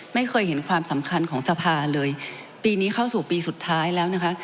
ไม่เคยเห็นความสำคัญของสภาเลยปีนี้เข้าสู่ปีสุดท้ายแล้วนะคะ